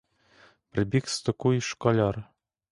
Прибіг з току й школяр.